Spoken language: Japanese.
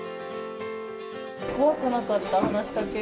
怖くなかった？